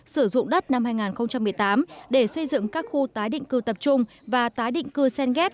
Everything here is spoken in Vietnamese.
sử dụng đất năm hai nghìn một mươi tám để xây dựng các khu tái định cư tập trung và tái định cư sen ghép